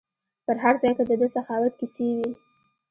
په هر ځای کې د ده سخاوت کیسې وي.